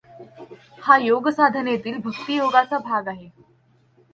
हा योगसाधनेतील भक्तियोगाचा भाग आहे.